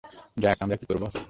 ড্রাক, আমরা কী করবো?